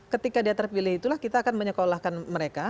ketika dia terpilih itulah kita akan menyekolahkan mereka